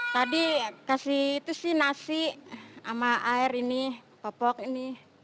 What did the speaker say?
tadi kasih itu sih nasi sama air ini popok ini